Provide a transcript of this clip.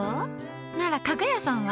なら家具屋さんは？